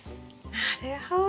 なるほど。